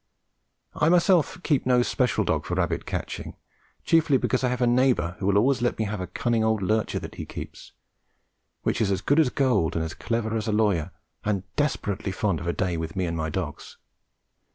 I myself keep no special dog for rabbit catching, chiefly because I have a neighbour who will always let me have a cunning old lurcher that he keeps, which is as good as gold, and as clever as a lawyer, and desperately fond of a day with me and my dogs.